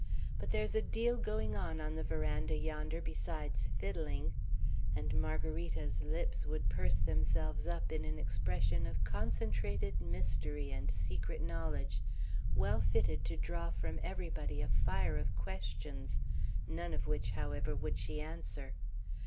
But there's a deal going on, on the veranda yonder, besides fiddling!" and Margarita's lips would purse themselves up in an expression of concentrated mystery and secret knowledge, well fitted to draw from everybody a fire of questions, none of which, however, would she answer.